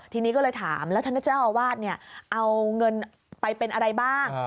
ทีนี้ก็เลยถามแล้วท่านเจ้าอาวาสเอาเงินไปเป็นอะไรบ้าง